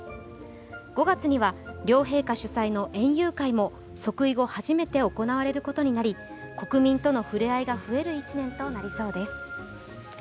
５月には両陛下主催の園遊会も即位後初めて行われることになり、国民との触れ合いが増える１年となりそうです。